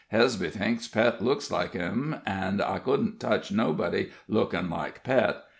Hesby thinks Pet looks like him, an' I couldn't touch nobody looking like Pet.